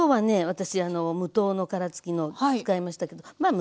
私無頭の殻付きの使いましたけどまあ